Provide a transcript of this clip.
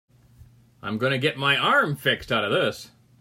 I'm gonna get my arm fixed out of this.